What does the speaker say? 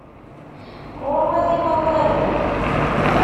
Γurwat imakaren.